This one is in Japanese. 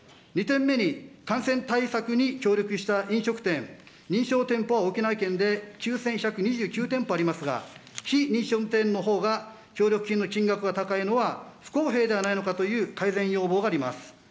２点目に、感染対策に協力した飲食店、認証店舗は沖縄県で９１２９店舗ありますが、非認証店のほうが協力金の金額が高いのは不公平ではないのかという改善要望があります。